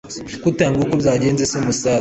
ko utambwiye uko byagenze se musaza